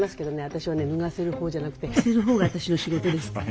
私はね脱がせる方じゃなくて着せる方が私の仕事ですから。